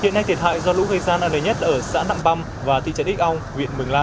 hiện nay thiệt hại do lũ gây gian nặng nề nhất ở xã nặng băm và tỉ trận ích âu huyện mường la